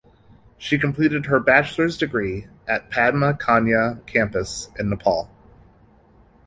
She completed her bachelor's degree at Padma Kanya Campus in Nepal.